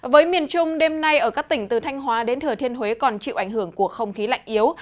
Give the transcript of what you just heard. với miền trung đêm nay ở các tỉnh từ thanh hóa đến thừa thiên huế còn chịu ảnh hưởng của không khí lạnh yếu